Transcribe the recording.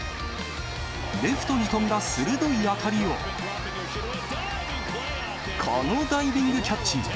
レフトに飛んだ鋭い当たりを、このダイビングキャッチ。